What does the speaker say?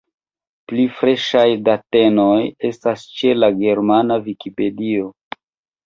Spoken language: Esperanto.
Pli freŝaj datenoj estas ĉe la Germana Vikipedio!